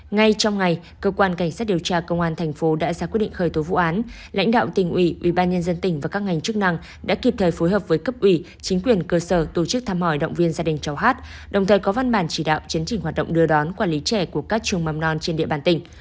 ngay trong ngày cơ quan cảnh sát điều tra công an thành phố đã ra quyết định khởi tố vụ án lãnh đạo tỉnh ủy ubnd tỉnh và các ngành chức năng đã kịp thời phối hợp với cấp ủy chính quyền cơ sở tổ chức thăm hỏi động viên gia đình cháu hát đồng thời có văn bản chỉ đạo chấn trình hoạt động đưa đón quản lý trẻ của các trường mầm non trên địa bàn tỉnh